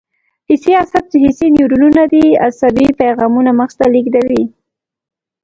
حسي اعصاب چې حسي نیورونونه دي عصبي پیغامونه مغز ته لېږدوي.